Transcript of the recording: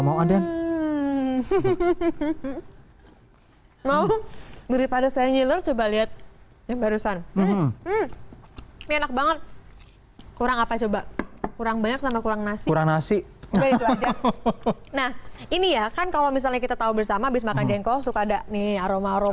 misalnya kita tahu bersama habis makan jengkol suka ada aroma aroma